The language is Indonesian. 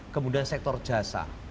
kemudian sektor jasa